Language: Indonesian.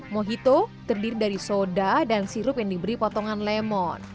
mohito terdiri dari soda dan sirup yang diberi potongan lemon